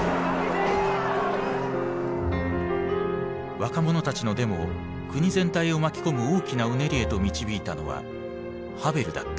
若者たちのデモを国全体を巻き込む大きなうねりへと導いたのはハヴェルだった。